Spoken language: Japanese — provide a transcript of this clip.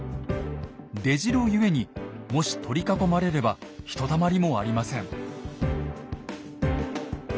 出城ゆえにもし取り囲まれればひとたまりもありません。